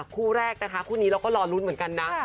คู่แรกนะคะคู่นี้เราก็รอลุ้นเหมือนกันนะ